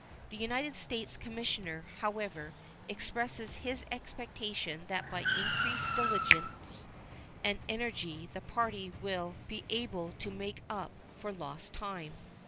The United States commissioner, however, expresses his expectation that by increased diligence and energy the party will be able to make up for lost time.